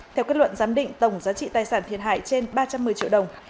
theo kết luận giám định tổng giá trị tài sản thiệt hại trên ba trăm một mươi triệu đồng